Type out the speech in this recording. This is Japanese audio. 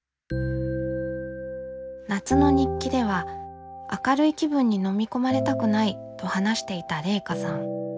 夏の日記では「明るい気分に飲み込まれたくない」と話していたれいかさん。